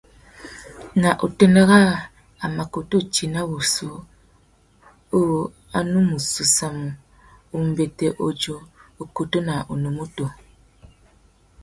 Nà utênê râā, a mà kutu tina wuchi uwú a nu mù séssamú umbêtê uzu ukutu nà unúmútú.